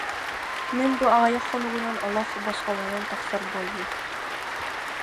Мин бу аҕыйах хонугунан олох босхолонон тахсар буоллум